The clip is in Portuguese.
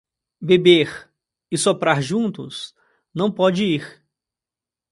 Beber e soprar juntos não pode ir.